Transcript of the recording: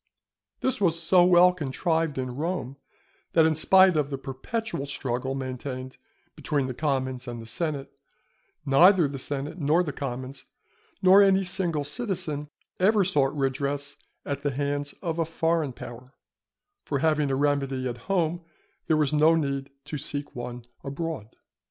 This was so well contrived in Rome that in spite of the perpetual struggle maintained between the commons and the senate, neither the senate nor the commons, nor any single citizen, ever sought redress at the hands of a foreign power; for having a remedy at home, there was no need to seek one abroad.